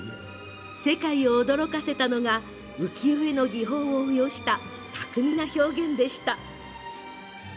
世界を驚かせたのが浮世絵の技法を応用した巧みな表現でした。